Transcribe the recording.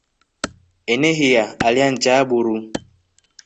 Enehiya alya nja buru.